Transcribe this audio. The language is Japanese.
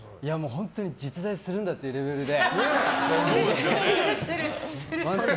本当に実在するんだっていうレベルで。